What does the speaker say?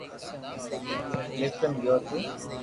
پسي ڪلفٽن گيو تي